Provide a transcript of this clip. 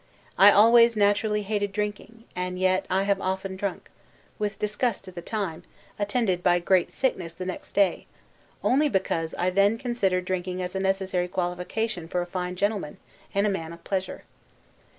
I always naturally hated drinking; and yet I have often drunk; with disgust at the time, attended by great sickness the next day, only because I then considered drinking as a necessary qualification for a fine gentleman, and a man of pleasure.